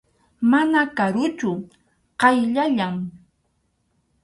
Mana karuchu, qayllallam.